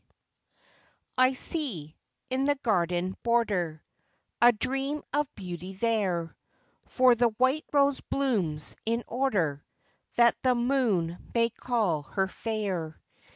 I see, in the garden border, A dream of beauty there, For the white rose blooms, in order That the moon may call her fair.